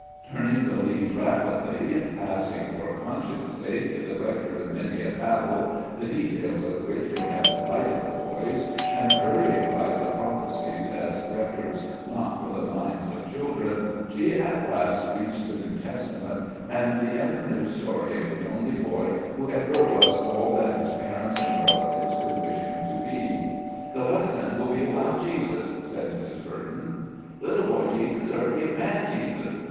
Turning the leaves rapidly, passing, for conscience sake, the record of many a battle, the details of which would have delighted the boys, and hurrying by the prophecies as records not for the minds of children, she at last reached the New Testament, and the ever new story of the only boy who ever was all that his parents and relatives could wish him to be. "The lesson will be about Jesus," said Mrs. Burton." "Little boy Jesus or big man Jesus?"